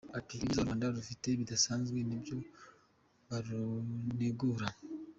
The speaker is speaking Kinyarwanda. Ati “ Ibyiza u Rwanda rufite bidasanzwe nibyo barunegura.